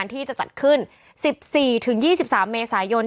ที่จะจัดขึ้น๑๔๒๓เมษายน